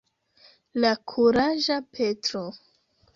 La kuraĝa Petro.